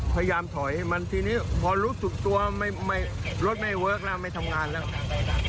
พยายามถอยให้มันทีนี้พอรู้สึกตัวไม่รถไม่เวิร์คแล้วไม่ทำงานแล้ว